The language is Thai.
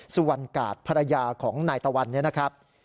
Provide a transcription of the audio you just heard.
สุวรรณกาศภรรยาของนายตะวันเนี่ยนะครับ